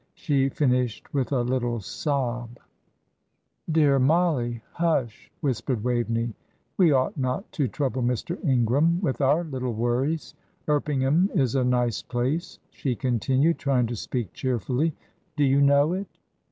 She finished with a little sob. "Dear Mollie, hush," whispered Waveney. "We ought not to trouble Mr. Ingram with our little worries. Erpingham is a nice place," she continued, trying to speak cheerfully. "Do you know it?"